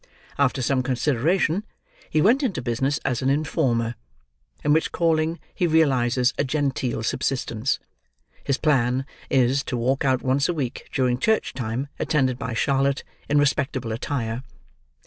After some consideration, he went into business as an informer, in which calling he realises a genteel subsistence. His plan is, to walk out once a week during church time attended by Charlotte in respectable attire.